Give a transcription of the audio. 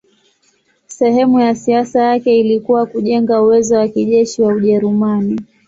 Sehemu ya siasa yake ilikuwa kujenga uwezo wa kijeshi wa Ujerumani.